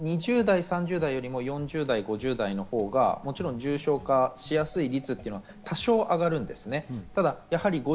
そうすると、確かに２０代、３０代より４０代、５０代のほうがもちろん重症化しやすい率というのは多少上がるんですね。